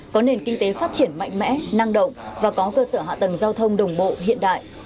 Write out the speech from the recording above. có nền kinh tế phát triển mạnh mẽ năng động và có cơ sở hạ tầng giao thông đồng bộ hiện đại